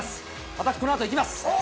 私このあと行きます。